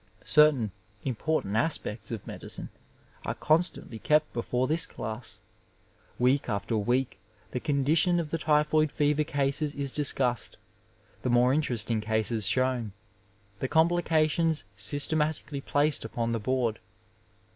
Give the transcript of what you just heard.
Certain important aspects of medicine are constantly kept before this class. Week after week the condition of the tjrphoid fever cases is discussed, the more interesting cases shown, the complications systematically placed upon the board.